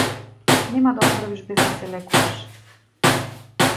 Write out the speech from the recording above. Нема да оздравиш без да се лекуваш.